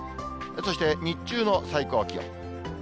そして、日中の最高気温。